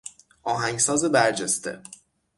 آهنگساز برجسته